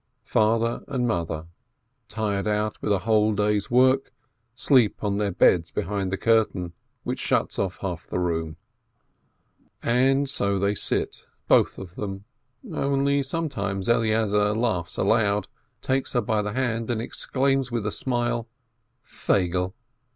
Father and mother, tired out with a whole day's work, sleep on their beds behind the curtain, which shuts off half the room. And so they sit, both of them, only sometimes Eleazar laughs aloud, takes her by the hand, and exclaims with a smile, "Feigele